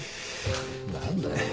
何だよ。